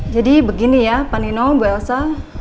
jadi begini ya panino ibu elsa